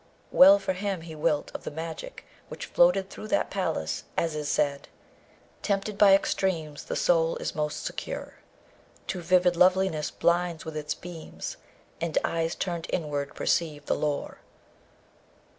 Well for him he wilt of the magic which floated through that palace; as is said, Tempted by extremes, The soul is most secure; Too vivid loveliness blinds with its beams, And eyes turned inward perceive the lure.